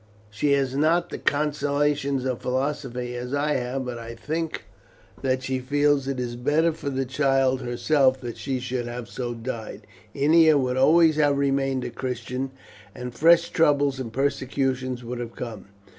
"She has not the consolations of philosophy as I have, but I think that she feels it is better for the child herself that she should have so died. Ennia would always have remained a Christian, and fresh troubles and persecutions would have come.